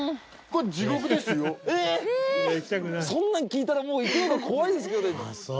そんなん聞いたらもう行くのが怖いですけどね。